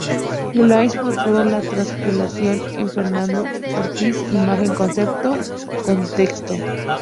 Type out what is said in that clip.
Gladys Portuondo, "La transculturación en Fernando Ortiz: imagen, concepto, contexto".